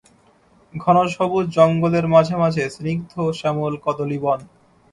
ঘন সবুজ জঙ্গলের মাঝে মাঝে সিনগ্ধ শ্যামল কদলীবন।